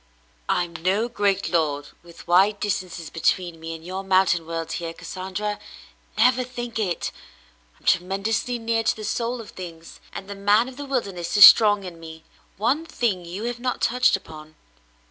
"I'm no great lord with wide distances between me and your mountain world here, Cassandra; never think it. I'm tremendously near to the soul of things, and the man of the wilderness is strong in me. One thing you have not touched upon.